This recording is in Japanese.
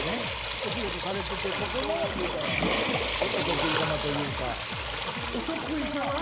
お仕事されてて、そこの言ったらお得意様というか。